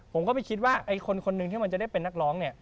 ผมก็ไปคิดว่าคนหนึ่งที่มาจะได้เป็นนักร้อง